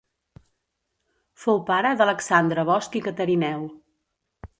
Fou pare d'Alexandre Bosch i Catarineu.